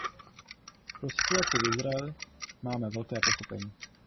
Pro situaci v Izraeli máme velké pochopení.